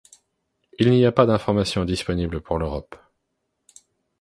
Il n’y a pas d’informations disponibles pour l’Europe.